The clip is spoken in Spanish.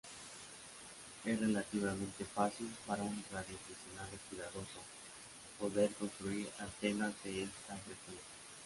Es relativamente fácil para un radioaficionado cuidadoso poder construir antenas de esta frecuencia.